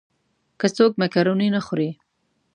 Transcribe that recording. که څوک مېکاروني نه خوري.